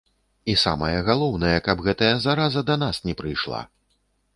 І самае галоўнае, каб гэтая зараза да нас не прыйшла.